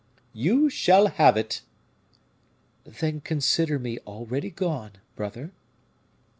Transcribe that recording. "You shall have it." "Then consider me already gone, brother."